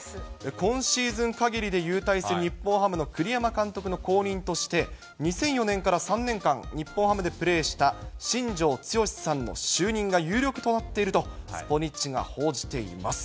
今シーズンかぎりで勇退する日本ハムの栗山監督の後任として、２００４年から３年間、日本ハムでプレーした新庄剛志さんの就任が有力となっているとスポニチが報じています。